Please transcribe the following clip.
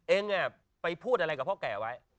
เองไปพูดอะไรกับพ่อแก่ไว้